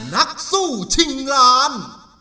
นักสู้ชิงล้าน